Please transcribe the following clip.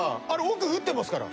奥降ってますから。